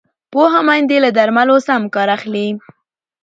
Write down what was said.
پوهه میندې له درملو سم کار اخلي۔